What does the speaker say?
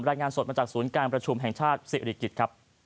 รายงานสดมาจากสวนทรการประชุมแห่งชาติสิตอริกิจ